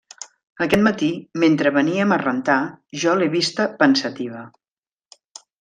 Aquest matí, mentre veníem a rentar, jo l'he vista pensativa.